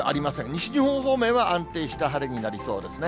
西日本方面は安定した晴れになりそうですね。